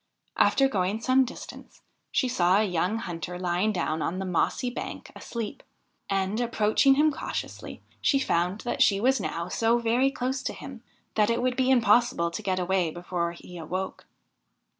After going some distance she saw a young hunter lying down on the mossy bank asleep, and, approaching him cautiously, she found that she was now so very close to him that it would be impossible to get away before he awoke.